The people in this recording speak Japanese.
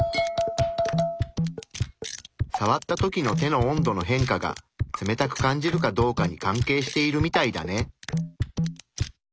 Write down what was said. さわった時の手の温度の変化が冷たく感じるかどうかに関係しているみたいだね。